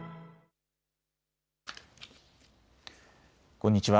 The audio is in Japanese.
こんにちは。